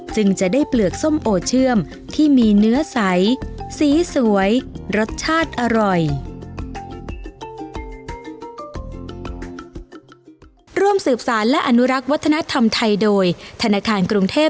จึงจะได้เปลือกส้มโอเชื่อมที่มีเนื้อใสสีสวยรสชาติอร่อย